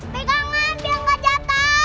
pegangan biar gak jatuh